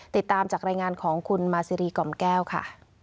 ติดตามจากรายงานของคุณมาซีรีกล่อมแก้วค่ะ